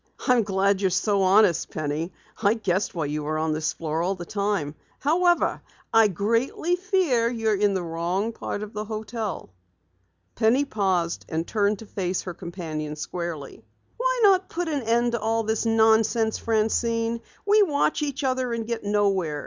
"I'm glad you're so honest, Penny. I guessed why you were on this floor all the time. However, I greatly fear you're in the wrong part of the hotel." Penny paused and turned to face her companion squarely. "Why not put an end to all this nonsense, Francine? We watch each other and get nowhere.